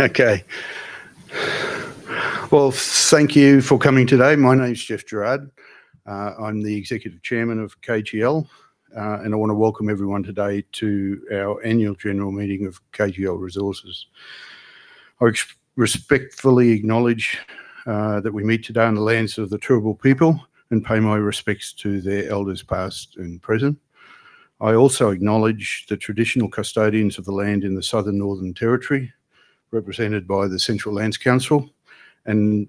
Okay. Thank you for coming today. My name's Jeff Gerard. I'm the Executive Chairman of KGL, and I want to welcome everyone today to our Annual General Meeting of KGL Resources. I respectfully acknowledge that we meet today on the lands of the Turrbal people and pay my respects to their elders past and present. I also acknowledge the traditional custodians of the land in the Southern Northern Territory, represented by the Central Land Council, and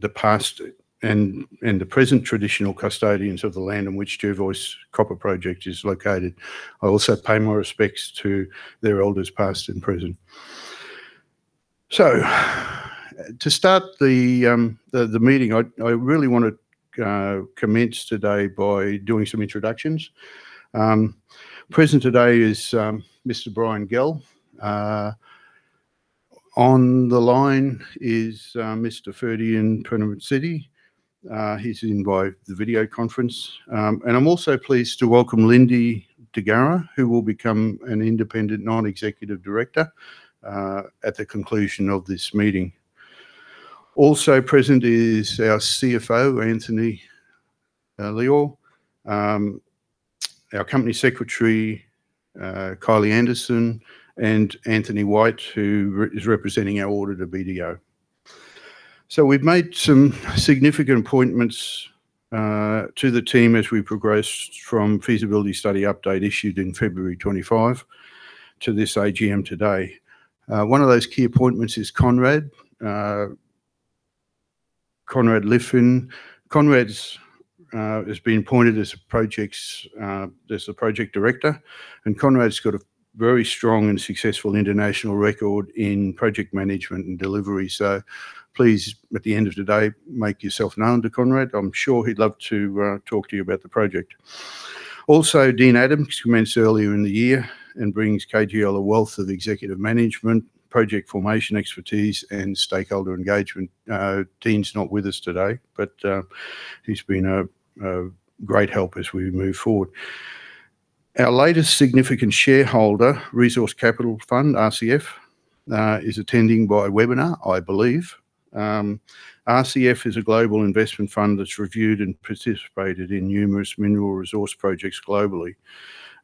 the past and present traditional custodians of the land in which Jervois Copper Project is located. I also pay my respects to their elders past and present. To start the meeting, I really want to commence today by doing some introductions. Present today is Mr. Brian Gell, on the line is Mr. Ferdian Purnamasidi. He's in by the video conference. I am also pleased to welcome Lindi Deguara, who will become an independent non-executive director at the conclusion of this meeting. Also present is our CFO, Anthony Liaw, our Company Secretary, Kylie Anderson, and Anthony White, who is representing our auditor, BDO. We have made some significant appointments to the team as we progressed from Feasibility Study Update issued in February 2025 to this AGM today. One of those key appointments is Konrad, Konrad Litfin. Konrad has been appointed as the Project Director, and Konrad's got a very strong and successful international record in project management and delivery. Please, at the end of today, make yourself known to Konrad. I am sure he would love to talk to you about the project. Also, Dean Adams commenced earlier in the year and brings KGL a wealth of executive management, project formation expertise, and stakeholder engagement. Dean's not with us today, but he's been a great help as we move forward. Our latest significant shareholder, Resource Capital Fund, RCF, is attending by webinar, I believe. RCF is a global investment fund that's reviewed and participated in numerous mineral resource projects globally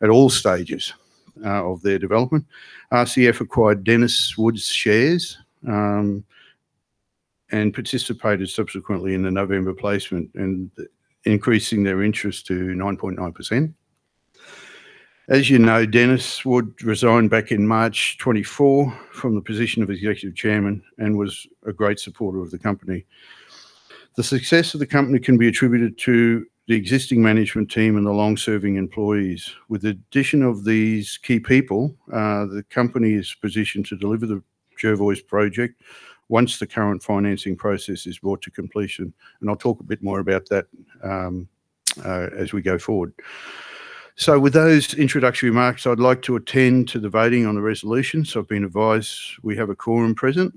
at all stages of their development. RCF acquired Denis Wood's shares and participated subsequently in the November placement, increasing their interest to 9.9%. As you know, Denis Wood resigned back in March 2024 from the position of Executive Chairman and was a great supporter of the company. The success of the company can be attributed to the existing management team and the long-serving employees. With the addition of these key people, the company is positioned to deliver the Jervois project once the current financing process is brought to completion. I'll talk a bit more about that as we go forward. With those introductory remarks, I'd like to attend to the voting on the resolutions. I've been advised we have a quorum present,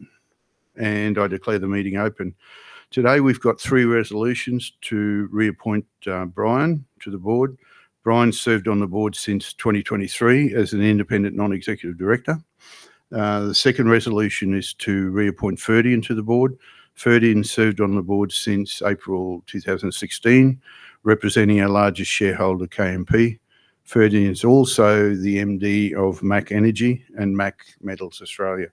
and I declare the meeting open. Today, we've got three resolutions to reappoint Brian to the board. Brian served on the board since 2023 as an independent non-executive director. The second resolution is to reappoint Ferdian into the board. Ferdian served on the board since April 2016, representing our largest shareholder, KMP. Ferdian is also the MD of MACH Energy and MACH Metals Australia.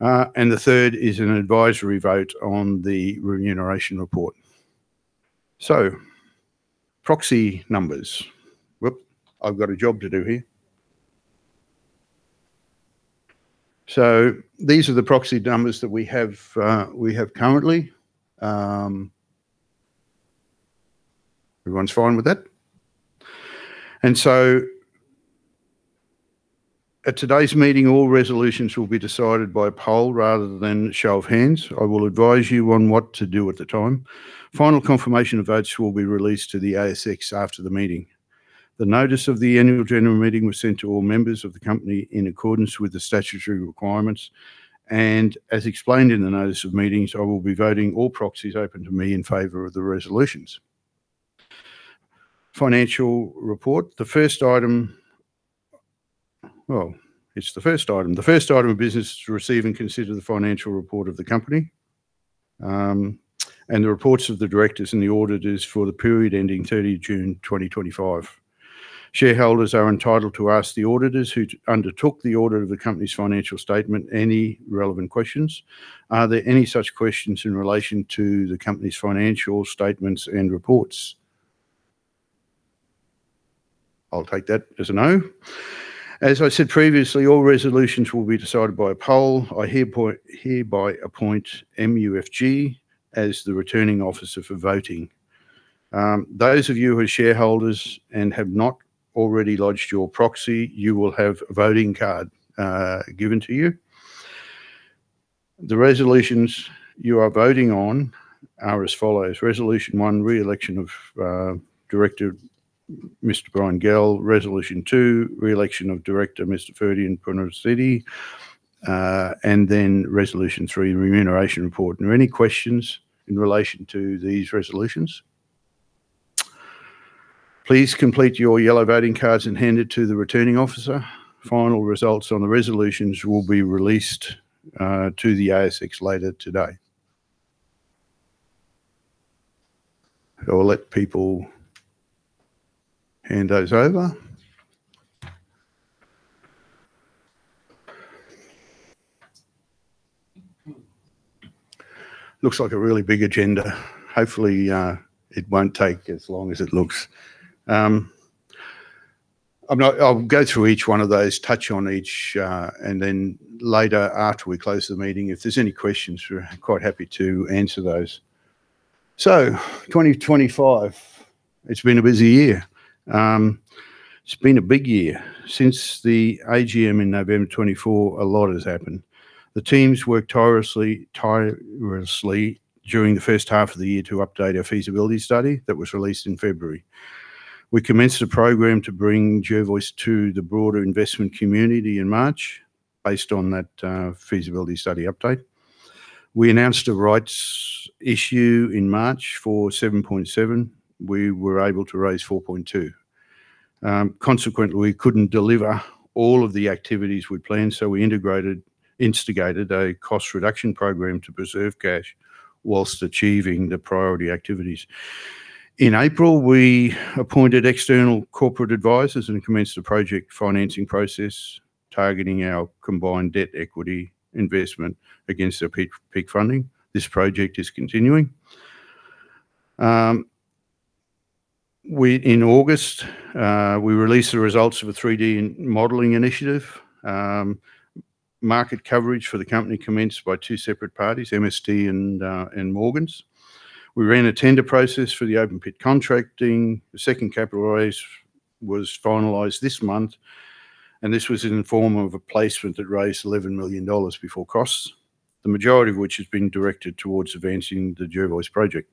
The third is an advisory vote on the remuneration report. Proxy numbers. Whoop, I've got a job to do here. These are the proxy numbers that we have currently. Everyone's fine with that? At today's meeting, all resolutions will be decided by poll rather than shove hands. I will advise you on what to do at the time. Final confirmation of votes will be released to the ASX after the meeting. The notice of the Annual General Meeting was sent to all members of the company in accordance with the statutory requirements. As explained in the notice of meetings, I will be voting all proxies open to me in favor of the resolutions. Financial report. The first item, it's the first item. The first item of business is to receive and consider the financial report of the company and the reports of the directors and the auditors for the period ending 30 June 2025. Shareholders are entitled to ask the auditors who undertook the audit of the company's financial statement any relevant questions. Are there any such questions in relation to the company's financial statements and reports? I'll take that as a no. As I said previously, all resolutions will be decided by a poll. I hereby appoint MUFG as the returning officer for voting. Those of you who are shareholders and have not already lodged your proxy, you will have a voting card given to you. The resolutions you are voting on are as follows: Resolution One, re-election of Director Mr. Brian Gell. Resolution Two, re-election of Director Mr. Ferdian Purnamasidi, and then Resolution Three, remuneration report. Are there any questions in relation to these resolutions? Please complete your yellow voting cards and hand it to the returning officer. Final results on the resolutions will be released to the ASX later today. I'll let people hand those over. Looks like a really big agenda. Hopefully, it won't take as long as it looks. I'll go through each one of those, touch on each, and then later, after we close the meeting, if there's any questions, we're quite happy to answer those. 2025, it's been a busy year. It's been a big year. Since the AGM in November 2024, a lot has happened. The team's worked tirelessly during the first half of the year to update our feasibility study that was released in February. We commenced a program to bring Jervois to the broader investment community in March based on that feasibility study update. We announced a rights issue in March for 7.7 million. We were able to raise 4.2 million. Consequently, we couldn't deliver all of the activities we planned, so we instigated a cost reduction program to preserve cash whilst achieving the priority activities. In April, we appointed external corporate advisors and commenced a project financing process targeting our combined debt equity investment against our peak funding. This project is continuing. In August, we released the results of a 3D modelling initiative. Market coverage for the company commenced by two separate parties, MST and Morgans. We ran a tender process for the open pit contracting. The second capital raise was finalized this month, and this was in the form of a placement that raised 11 million dollars before costs, the majority of which has been directed towards advancing the Jervois project.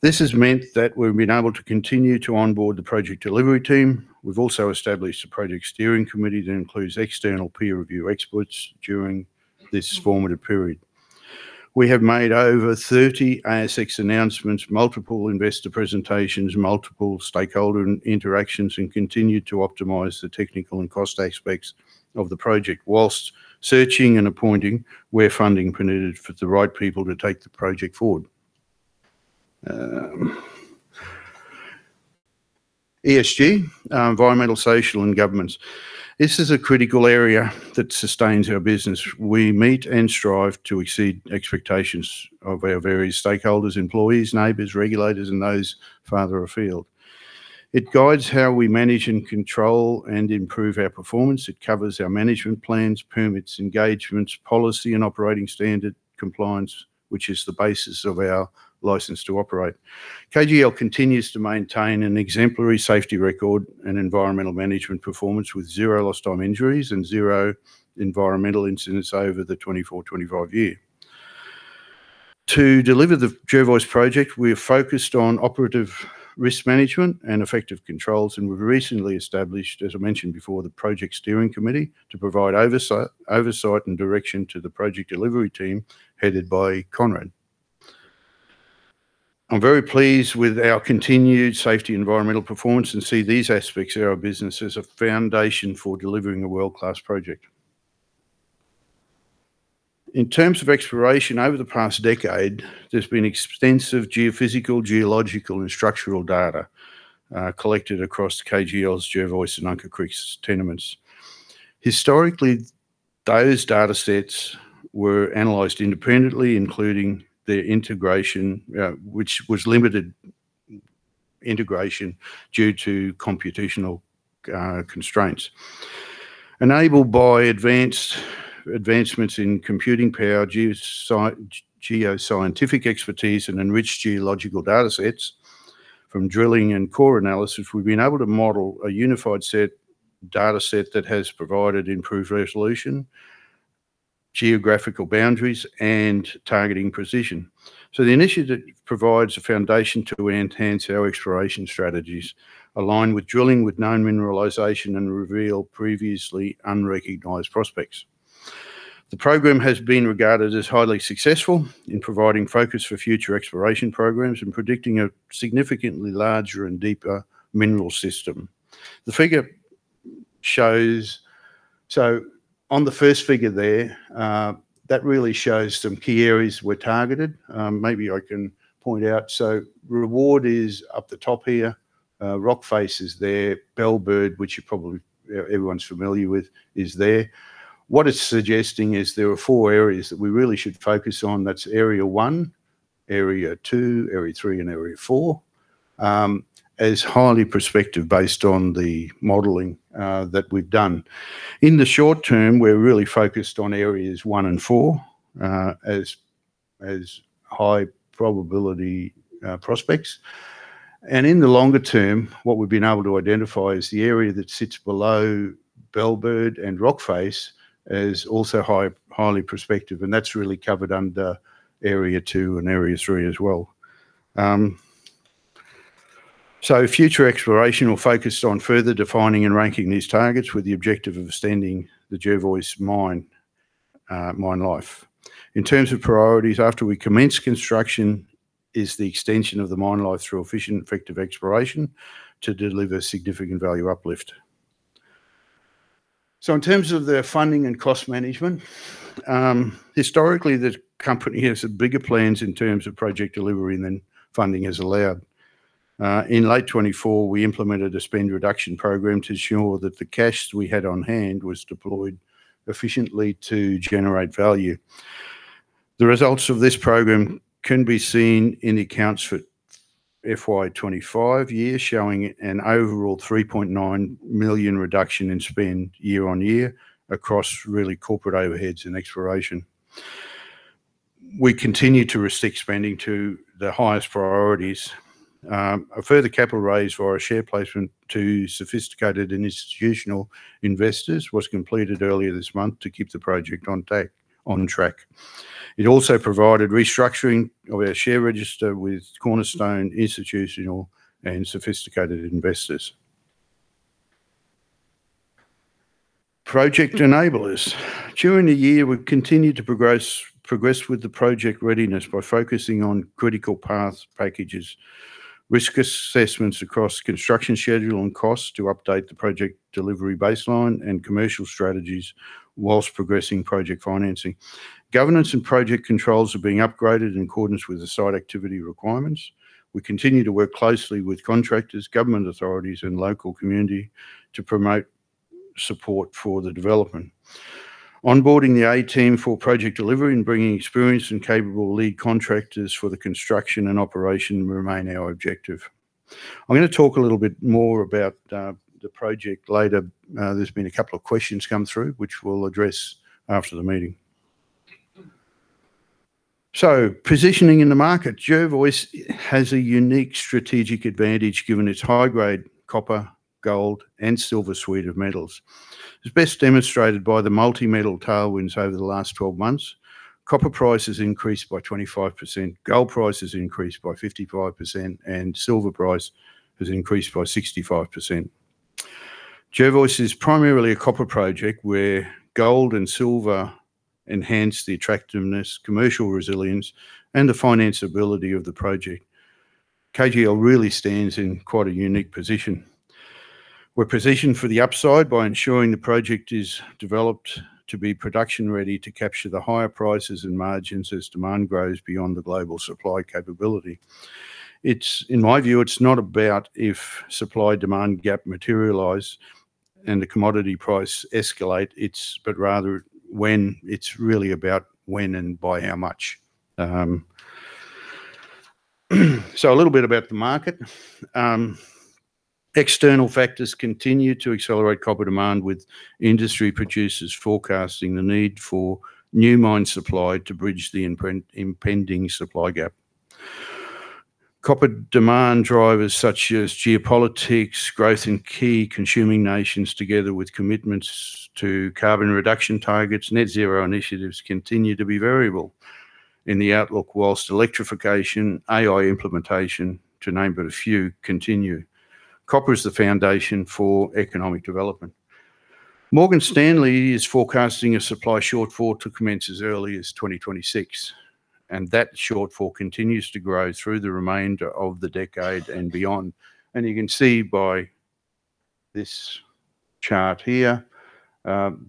This has meant that we've been able to continue to onboard the project delivery team. We've also established a project steering committee that includes external peer review experts during this formative period. We have made over 30 ASX announcements, multiple investor presentations, multiple stakeholder interactions, and continued to optimize the technical and cost aspects of the project whilst searching and appointing where funding permitted for the right people to take the project forward. ESG, environmental, social, and governance. This is a critical area that sustains our business. We meet and strive to exceed expectations of our various stakeholders, employees, neighbors, regulators, and those farther afield. It guides how we manage and control and improve our performance. It covers our management plans, permits, engagements, policy, and operating standard compliance, which is the basis of our license to operate. KGL continues to maintain an exemplary safety record and environmental management performance with zero lost-time injuries and zero environmental incidents over the 2024-2025 year. To deliver the Jervois project, we have focused on operative risk management and effective controls, and we've recently established, as I mentioned before, the project steering committee to provide oversight and direction to the project delivery team headed by Konrad. I'm very pleased with our continued safety and environmental performance and see these aspects of our business as a foundation for delivering a world-class project. In terms of exploration over the past decade, there's been extensive geophysical, geological, and structural data collected across KGL's Jervois and Unca Creek tenements. Historically, those data sets were analyzed independently, including their integration, which was limited integration due to computational constraints. Enabled by advancements in computing power, geoscientific expertise, and enriched geological data sets from drilling and core analysis, we've been able to model a unified data set that has provided improved resolution, geographical boundaries, and targeting precision. The initiative provides a foundation to enhance our exploration strategies, align drilling with known mineralization, and reveal previously unrecognized prospects. The program has been regarded as highly successful in providing focus for future exploration programs and predicting a significantly larger and deeper mineral system. The figure shows—on the first figure there, that really shows some key areas we're targeting. Maybe I can point out. Reward is up the top here. Rockface is there. Bellbird, which you probably—everyone's familiar with—is there. What it's suggesting is there are four areas that we really should focus on. That's area one, area two, area three, and area four, as highly prospective based on the modelling that we've done. In the short term, we're really focused on areas one and four as high probability prospects. In the longer term, what we've been able to identify is the area that sits below Bellbird and Rockface is also highly prospective, and that's really covered under area two and area three as well. Future exploration will focus on further defining and ranking these targets with the objective of extending the Jervois mine life. In terms of priorities, after we commence construction, is the extension of the mine life through efficient, effective exploration to deliver significant value uplift. In terms of the funding and cost management, historically, the company has had bigger plans in terms of project delivery than funding has allowed. In late 2024, we implemented a spend reduction program to ensure that the cash we had on hand was deployed efficiently to generate value. The results of this program can be seen in the accounts for the fiscal year 2025, showing an overall 3.9 million reduction in spend year-on-year across really corporate overheads and exploration. We continue to restrict spending to the highest priorities. A further capital raise via share placement to sophisticated and institutional investors was completed earlier this month to keep the project on track. It also provided restructuring of our share register with cornerstone institutional and sophisticated investors. Project enablers. During the year, we continue to progress with the project readiness by focusing on critical path packages, risk assessments across construction schedule and costs to update the project delivery baseline and commercial strategies whilst progressing project financing. Governance and project controls are being upgraded in accordance with the site activity requirements. We continue to work closely with contractors, government authorities, and local community to promote support for the development. Onboarding the A team for project delivery and bringing experienced and capable lead contractors for the construction and operation remain our objective. I am going to talk a little bit more about the project later. There have been a couple of questions come through, which we will address after the meeting. Positioning in the market, Jervois has a unique strategic advantage given its high-grade copper, gold, and silver suite of metals. It is best demonstrated by the multi-metal tailwinds over the last 12 months. Copper price has increased by 25%. Gold price has increased by 55%, and silver price has increased by 65%. Jervois is primarily a copper project where gold and silver enhance the attractiveness, commercial resilience, and the finance ability of the project. KGL really stands in quite a unique position. We're positioned for the upside by ensuring the project is developed to be production-ready to capture the higher prices and margins as demand grows beyond the global supply capability. In my view, it's not about if supply-demand gap materialises and the commodity price escalates, but rather when. It's really about when and by how much. A little bit about the market. External factors continue to accelerate copper demand with industry producers forecasting the need for new mine supply to bridge the impending supply gap. Copper demand drivers such as geopolitics, growth in key consuming nations together with commitments to carbon reduction targets, net zero initiatives continue to be variable in the outlook whilst electrification, AI implementation, to name but a few, continue. Copper is the foundation for economic development. Morgan Stanley is forecasting a supply shortfall to commence as early as 2026, and that shortfall continues to grow through the remainder of the decade and beyond. You can see by this chart here,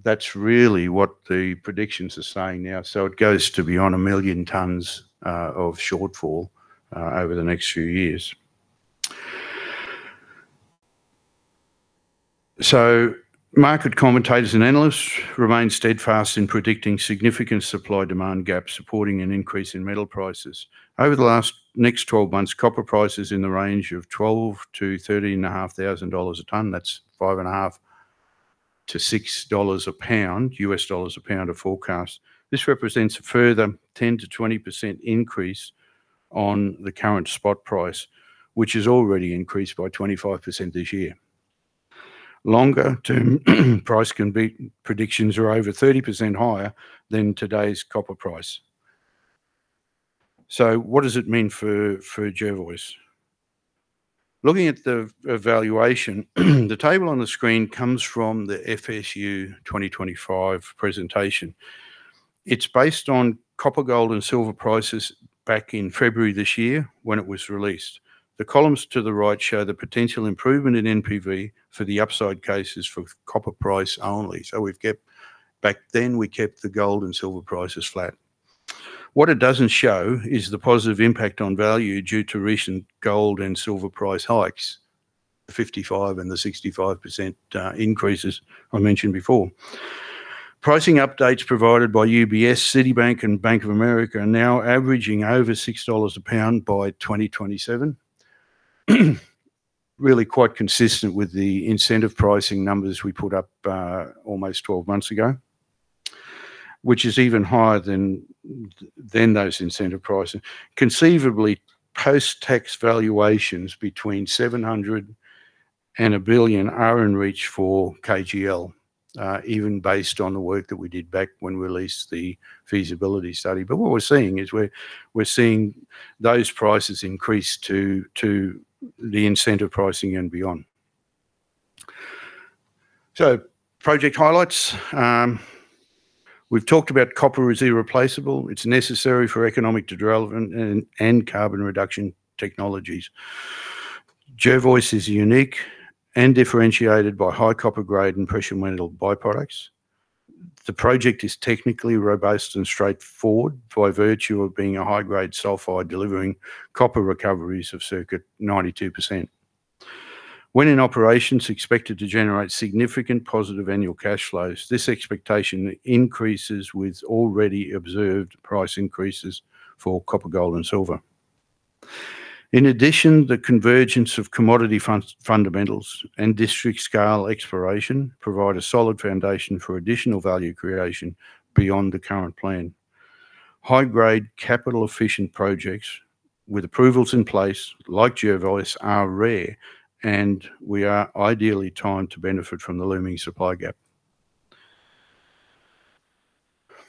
that's really what the predictions are saying now. It goes to beyond a million tons of shortfall over the next few years. Market commentators and analysts remain steadfast in predicting significant supply-demand gaps supporting an increase in metal prices. Over the last next 12 months, copper prices in the range of 12,000-13,500 a ton. That's 5.50-6 dollars a lbs, US dollars a lbs of forecast. This represents a further 10%-20% increase on the current spot price, which has already increased by 25% this year. Longer-term price predictions are over 30% higher than today's copper price. What does it mean for Jervois? Looking at the valuation, the table on the screen comes from the FSU 2025 presentation. It is based on copper, gold, and silver prices back in February this year when it was released. The columns to the right show the potential improvement in NPV for the upside cases for copper price only. Back then, we kept the gold and silver prices flat. What it does not show is the positive impact on value due to recent gold and silver price hikes, the 55% and the 65% increases I mentioned before. Pricing updates provided by UBS, Citibank, and Bank of America are now averaging over 6 dollars a lbs by 2027, really quite consistent with the incentive pricing numbers we put up almost 12 months ago, which is even higher than those incentive prices. Conceivably, post-tax valuations between 700 million and 1 billion are in reach for KGL, even based on the work that we did back when we released the feasibility study. What we are seeing is we are seeing those prices increase to the incentive pricing and beyond. Project highlights. We have talked about copper as irreplaceable. It is necessary for economic development and carbon reduction technologies. Jervois is unique and differentiated by high copper grade and precious metal byproducts. The project is technically robust and straightforward by virtue of being a high-grade sulphide delivering copper recoveries of circa 92%. When in operations, expected to generate significant positive annual cash flows. This expectation increases with already observed price increases for copper, gold, and silver. In addition, the convergence of commodity fundamentals and district-scale exploration provide a solid foundation for additional value creation beyond the current plan. High-grade, capital-efficient projects with approvals in place like Jervois are rare, and we are ideally timed to benefit from the looming supply gap.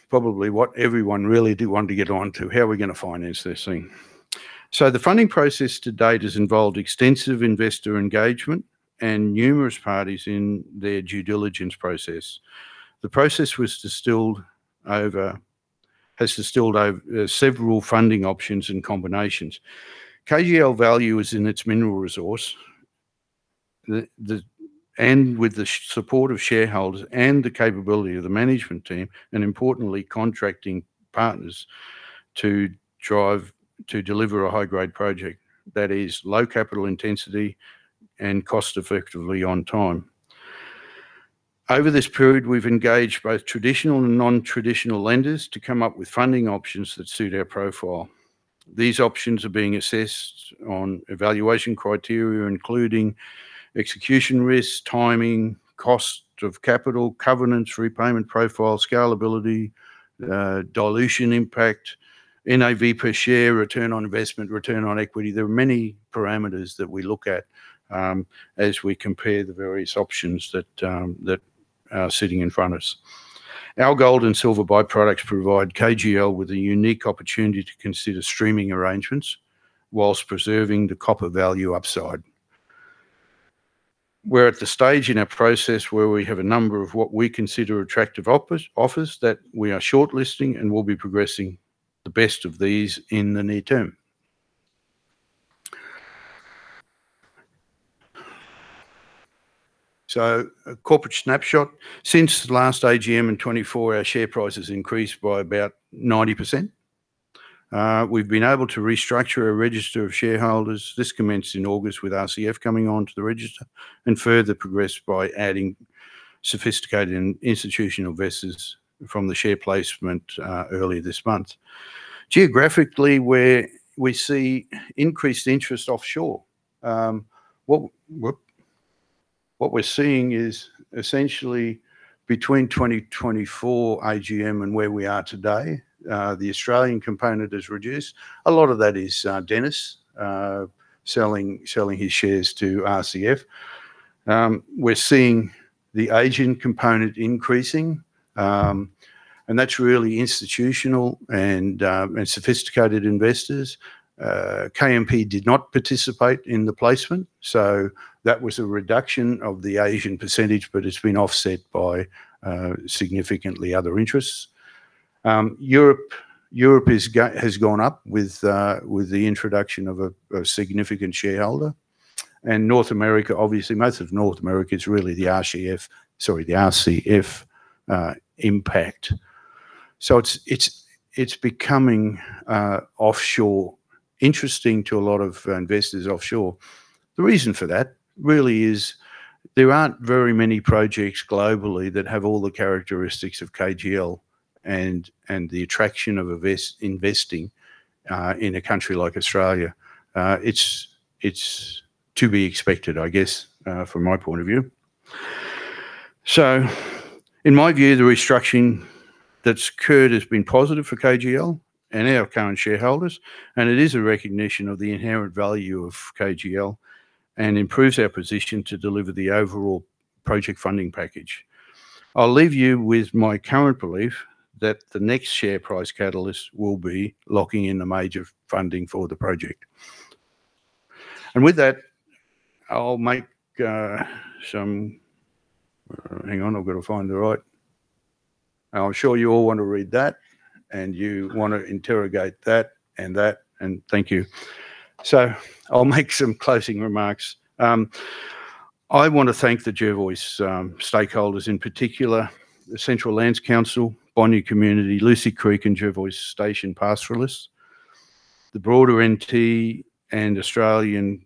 Probably what everyone really did want to get on to, how are we going to finance this thing? The funding process to date has involved extensive investor engagement and numerous parties in their due diligence process. The process has distilled over several funding options and combinations. KGL value is in its mineral resource and with the support of shareholders and the capability of the management team and, importantly, contracting partners to deliver a high-grade project that is low capital intensity and cost-effectively on time. Over this period, we've engaged both traditional and non-traditional lenders to come up with funding options that suit our profile. These options are being assessed on evaluation criteria, including execution risk, timing, cost of capital, covenants, repayment profile, scalability, dilution impact, NAV per share, return on investment, return on equity. There are many parameters that we look at as we compare the various options that are sitting in front of us. Our gold and silver by-products provide KGL with a unique opportunity to consider streaming arrangements whilst preserving the copper value upside. We are at the stage in our process where we have a number of what we consider attractive offers that we are shortlisting and will be progressing the best of these in the near term. A corporate snapshot. Since last AGM in 2024, our share price has increased by about 90%. We've been able to restructure our register of shareholders. This commenced in August with RCF coming on to the register and further progressed by adding sophisticated and institutional investors from the share placement earlier this month. Geographically, we see increased interest offshore. What we're seeing is essentially between 2024 AGM and where we are today, the Australian component has reduced. A lot of that is Denis selling his shares to RCF. We're seeing the Asian component increasing, and that's really institutional and sophisticated investors. KMP did not participate in the placement, so that was a reduction of the Asian percentage, but it's been offset by significantly other interests. Europe has gone up with the introduction of a significant shareholder. North America, obviously, most of North America is really the RCF impact. It is becoming offshore interesting to a lot of investors offshore. The reason for that really is there aren't very many projects globally that have all the characteristics of KGL and the attraction of investing in a country like Australia. It's to be expected, I guess, from my point of view. In my view, the restructuring that's occurred has been positive for KGL and our current shareholders, and it is a recognition of the inherent value of KGL and improves our position to deliver the overall project funding package. I'll leave you with my current belief that the next share price catalyst will be locking in the major funding for the project. With that, I'll make some—hang on, I've got to find the right—I'm sure you all want to read that, and you want to interrogate that and that, and thank you. I'll make some closing remarks. I want to thank the Jervois stakeholders in particular, the Central Land Council, Bonya Community, Lucy Creek, and Jervois Station Pastoralists, the broader NT, and Australian.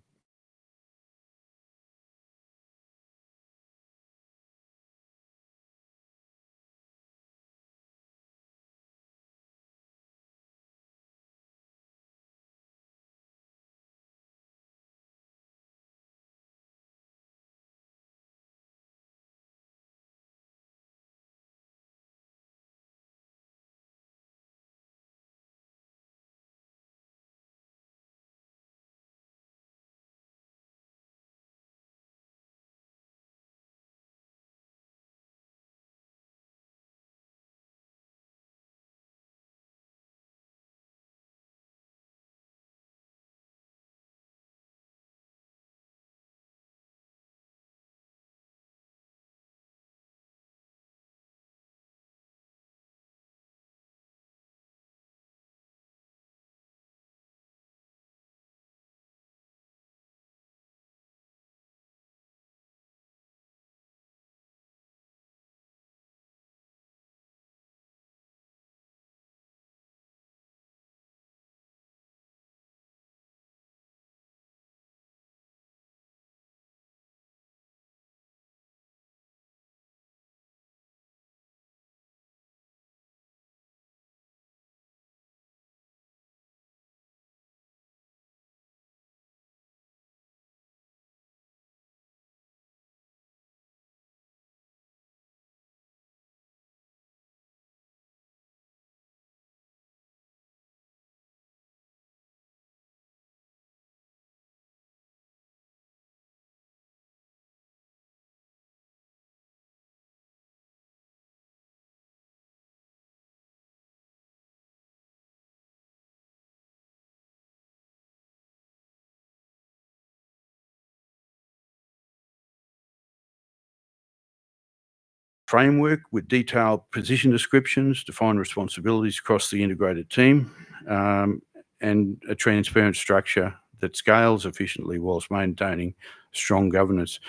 Framework with detailed position descriptions to find responsibilities across the integrated team and a transparent structure that scales efficiently whilst maintaining strong governance.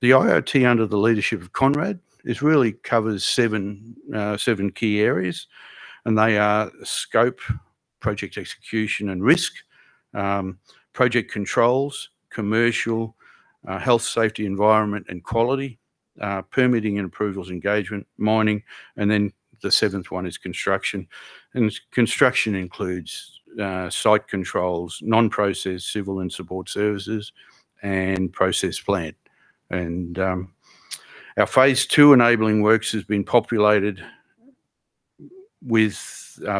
The IoT under the leadership of Konrad really covers seven key areas, and they are scope, project execution and risk, project controls, commercial, health, safety, environment, and quality, permitting and approvals, engagement, mining, and then the seventh one is construction. Construction includes site controls, non-process, civil and support services, and process plant. Our phase two enabling works has been populated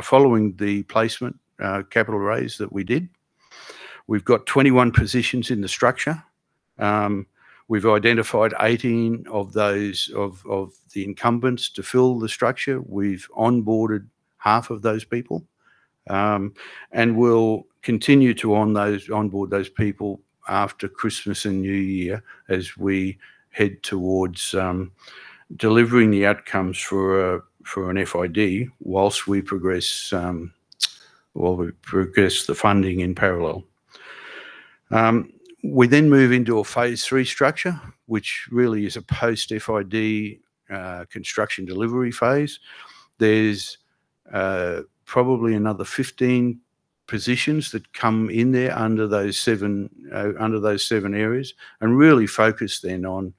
following the placement capital raise that we did. We have 21 positions in the structure. We have identified 18 of those of the incumbents to fill the structure. We've onboarded half of those people, and we'll continue to onboard those people after Christmas and New Year as we head towards delivering the outcomes for an FID whilst we progress the funding in parallel. We then move into a phase three structure, which really is a post-FID construction delivery phase. There's probably another 15 positions that come in there under those seven areas and really focus then on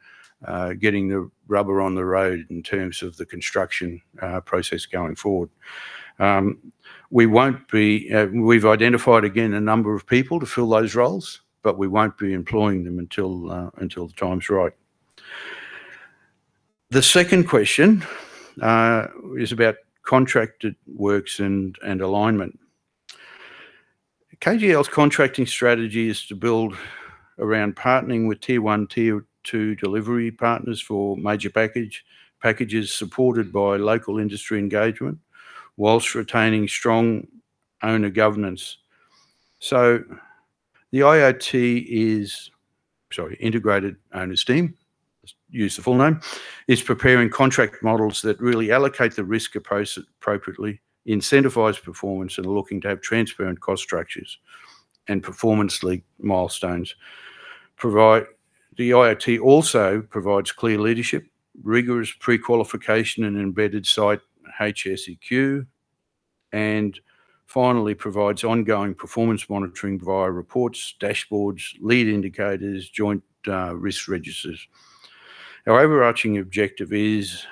getting the rubber on the road in terms of the construction process going forward. We've identified, again, a number of people to fill those roles, but we won't be employing them until the time's right. The second question is about contracted works and alignment. KGL's contracting strategy is to build around partnering with tier one, tier two delivery partners for major packages supported by local industry engagement whilst retaining strong owner governance. The IoT is—sorry, integrated owners team, use the full name—is preparing contract models that really allocate the risk appropriately, incentivize performance, and are looking to have transparent cost structures and performance milestones. The IoT also provides clear leadership, rigorous pre-qualification, and embedded site HSEQ, and finally provides ongoing performance monitoring via reports, dashboards, lead indicators, joint risk registers. Our overarching objective is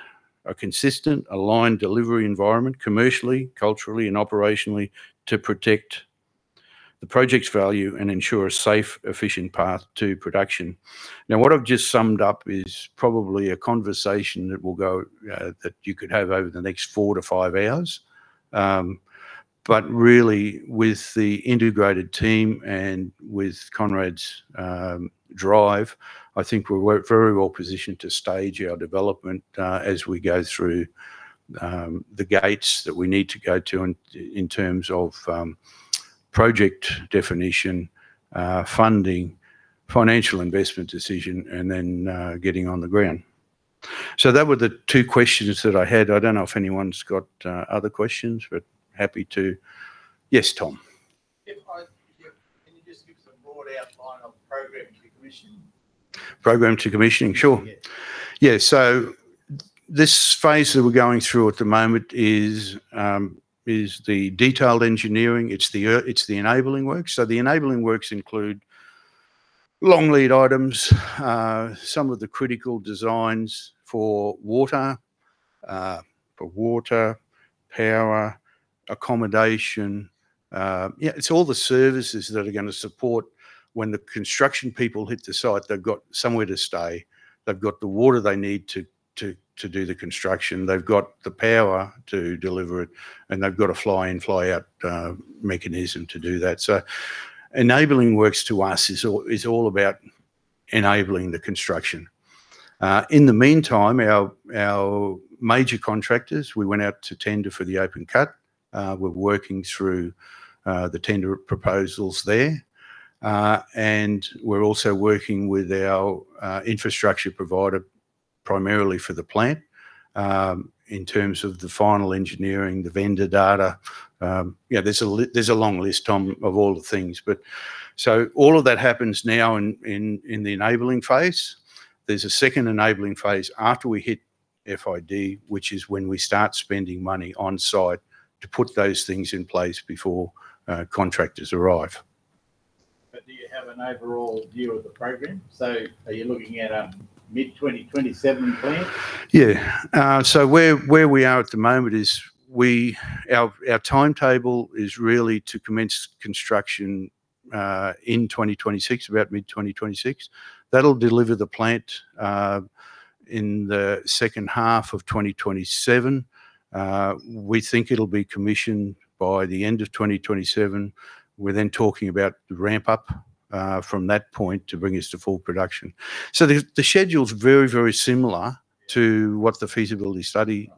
a consistent, aligned delivery environment commercially, culturally, and operationally to protect the project's value and ensure a safe, efficient path to production. Now, what I've just summed up is probably a conversation that you could have over the next four to five hours. Really, with the integrated team and with Konrad's drive, I think we're very well positioned to stage our development as we go through the gates that we need to go to in terms of project definition, funding, financial investment decision, and then getting on the ground. That were the two questions that I had. I do not know if anyone's got other questions, but happy to—yes, Tom. Can you just give us a broad outline of program to commission? Program to commissioning? sure. Yeah. This phase that we're going through at the moment is the detailed engineering. It's the enabling works. The enabling works include long lead items, some of the critical designs for water, power, accommodation. It's all the services that are going to support when the construction people hit the site, they've got somewhere to stay. They've got the water they need to do the construction. They've got the power to deliver it, and they've got a fly-in, fly-out mechanism to do that. Enabling works to us is all about enabling the construction. In the meantime, our major contractors, we went out to tender for the open cut. We're working through the tender proposals there. We're also working with our infrastructure provider primarily for the plant in terms of the final engineering, the vendor data. There's a long list, Tom, of all the things. All of that happens now in the enabling phase. There's a second enabling phase after we hit FID, which is when we start spending money on site to put those things in place before contractors arrive. Do you have an overall view of the program? Are you looking at a mid-2027 plant? Yeah. Where we are at the moment is our timetable is really to commence construction in 2026, about mid-2026. That'll deliver the plant in the second half of 2027. We think it'll be commissioned by the end of 2027. We're then talking about the ramp-up from that point to bring us to full production. The schedule's very, very similar to what the feasibility study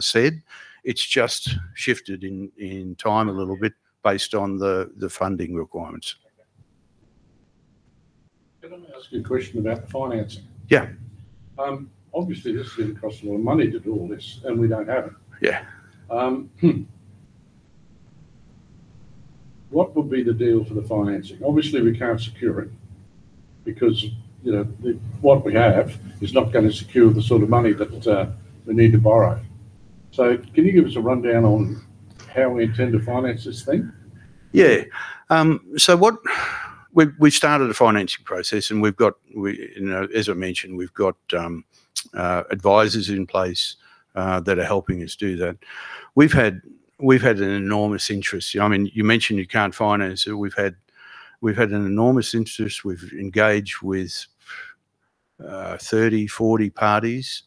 said. It's just shifted in time a little bit based on the funding requirements. Can I ask you a question about the financing? Yeah. Obviously, this has cost a lot of money to do all this, and we don't have it. What would be the deal for the financing? Obviously, we can't secure it because what we have is not going to secure the sort of money that we need to borrow. Can you give us a rundown on how we intend to finance this thing? Yeah. We've started a financing process, and as I mentioned, we've got advisors in place that are helping us do that. We've had enormous interest. I mean, you mentioned you can't finance it. We've had enormous interest. We've engaged with 30-40 parties.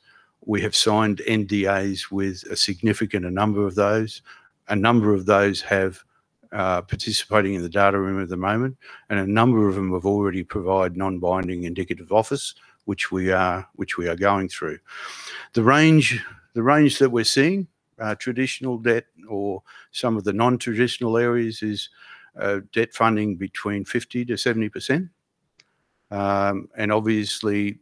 We have signed NDAs with a significant number of those. A number of those have participated in the data room at the moment, and a number of them have already provided non-binding indicative offers, which we are going through. The range that we're seeing, traditional debt or some of the non-traditional areas, is debt funding between 50%-70%. Obviously,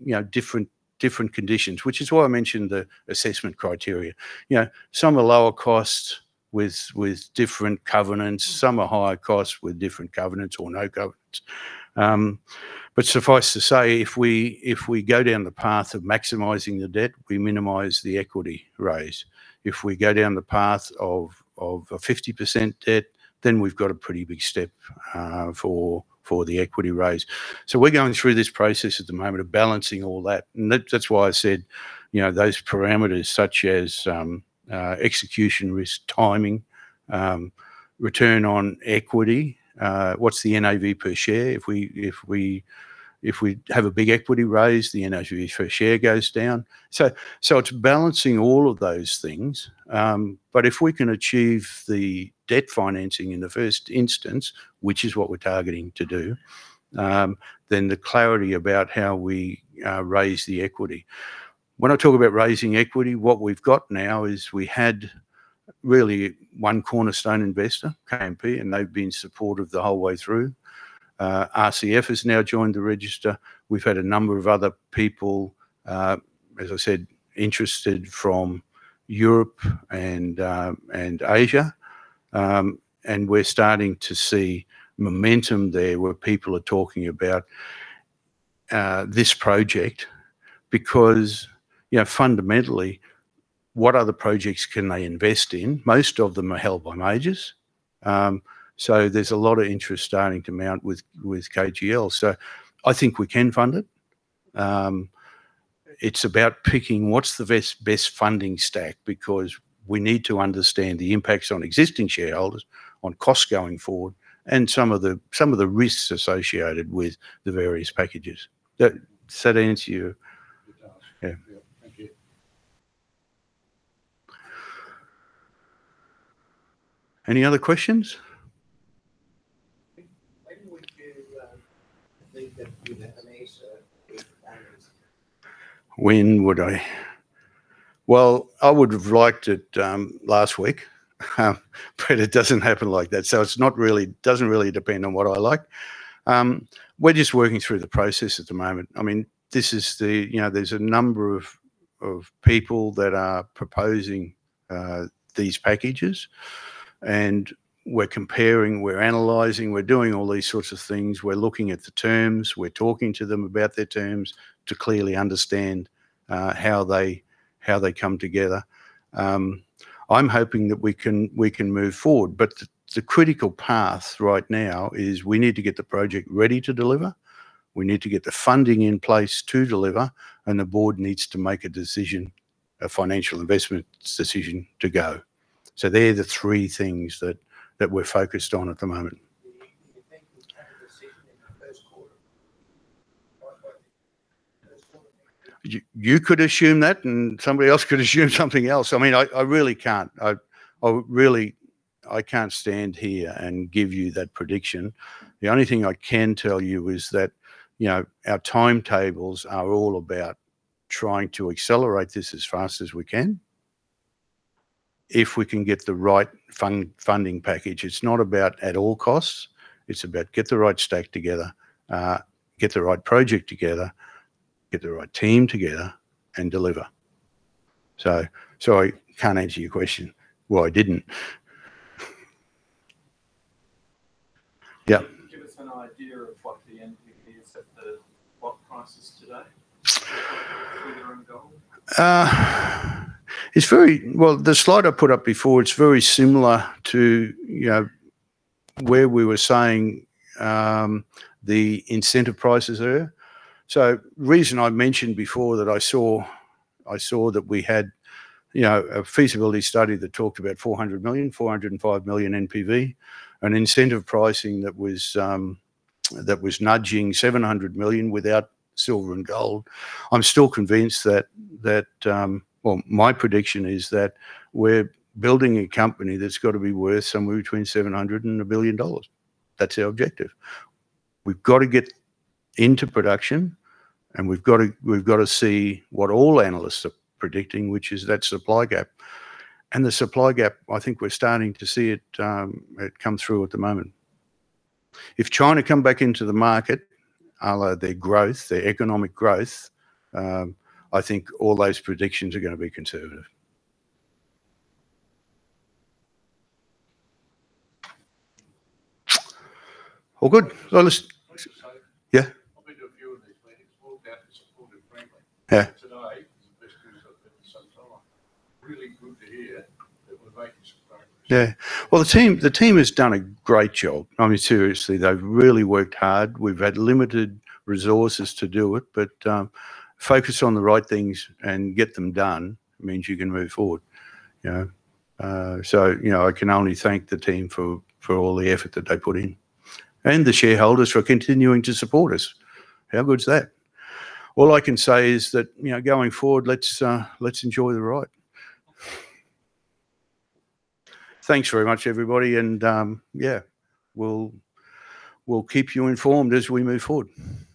different conditions, which is why I mentioned the assessment criteria. Some are lower cost with different covenants. Some are higher cost with different covenants or no covenants. Suffice to say, if we go down the path of maximizing the debt, we minimize the equity raise. If we go down the path of a 50% debt, then we've got a pretty big step for the equity raise. We are going through this process at the moment of balancing all that. That is why I said those parameters such as execution risk, timing, return on equity, what is the NAV per share? If we have a big equity raise, the NAV per share goes down. It is balancing all of those things. If we can achieve the debt financing in the first instance, which is what we are targeting to do, then the clarity about how we raise the equity. When I talk about raising equity, what we have now is we had really one cornerstone investor, KMP, and they have been supportive the whole way through. RCF has now joined the register. We've had a number of other people, as I said, interested from Europe and Asia. We're starting to see momentum there where people are talking about this project because fundamentally, what other projects can they invest in? Most of them are held by majors. There is a lot of interest starting to mount with KGL. I think we can fund it. It's about picking what's the best funding stack because we need to understand the impacts on existing shareholders, on costs going forward, and some of the risks associated with the various packages. Does that answer your question? Yeah. Thank you. Any other questions? When would you think that you'd have an answer? When would I? I would have liked it last week, but it doesn't happen like that. It doesn't really depend on what I like. We're just working through the process at the moment. I mean, there are a number of people that are proposing these packages, and we're comparing, we're analyzing, we're doing all these sorts of things. We're looking at the terms. We're talking to them about their terms to clearly understand how they come together. I'm hoping that we can move forward. The critical path right now is we need to get the project ready to deliver. We need to get the funding in place to deliver, and the board needs to make a decision, a financial investment decision to go. They are the three things that we're focused on at the moment. You could assume that, and somebody else could assume something else. I mean, I really can't stand here and give you that prediction. The only thing I can tell you is that our timetables are all about trying to accelerate this as fast as we can if we can get the right funding package. It's not about at all costs. It's about getting the right stack together, getting the right project together, getting the right team together, and delivering. I can't answer your question. I didn't. Can you give us an idea of what the NPV is at the block prices today? The slide I put up before, it's very similar to where we were saying the incentive prices are. The reason I mentioned before that I saw that we had a feasibility study that talked about 400 million, 405 million NPV, an incentive pricing that was nudging 700 million without silver and gold. I'm still convinced that, well, my prediction is that we're building a company that's got to be worth somewhere between 700 million and 1 billion dollars. That's our objective. We've got to get into production, and we've got to see what all analysts are predicting, which is that supply gap. The supply gap, I think we're starting to see it come through at the moment. If China comes back into the market, their growth, their economic growth, I think all those predictions are going to be conservative. All good. Yeah. I've been to a few of these meetings. We're all about the support of friendly. Today is the best news I've heard in some time. Really good to hear that we're making some progress. Yeah. The team has done a great job. I mean, seriously, they've really worked hard. We've had limited resources to do it, but focus on the right things and get them done means you can move forward. I can only thank the team for all the effort that they put in and the shareholders for continuing to support us. How good's that? All I can say is that going forward, let's enjoy the ride. Thanks very much, everybody. Yeah, we'll keep you informed as we move forward. Thank you.